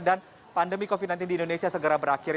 dan pandemi covid sembilan belas di indonesia segera berakhir